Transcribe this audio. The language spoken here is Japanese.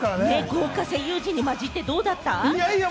豪華声優陣に交じってどうだった？